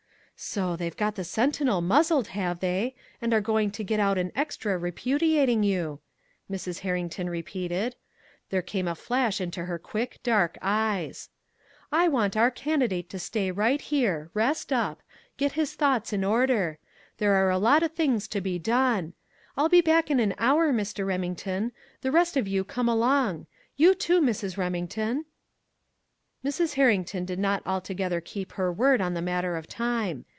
"So they've got the Sentinel muzzled, have they and are going to get out an extra repudiating you," Mrs. Herrington repeated. There came a flash into her quick, dark eyes. "I want our candidate to stay right here rest up get his thoughts in order. There are a lot of things to be done. I'll be back in an hour, Mr. Remington. The rest of you come along you, too, Mrs. Remington." Mrs. Herrington did not altogether keep her word in the matter of time.